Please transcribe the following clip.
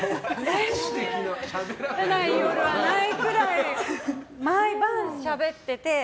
しゃべらない夜はないぐらい毎晩しゃべってて。